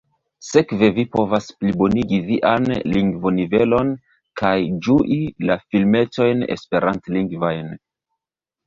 Sekve vi povas plibonigi vian lingvonivelon kaj ĝui la filmetojn esperantlingvajn.